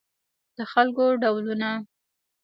د خلکو ډولونه